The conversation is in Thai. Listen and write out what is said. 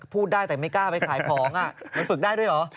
พูดได้แต่ไม่กล้าไปขายของมันฝึกได้ด้วยเหรอ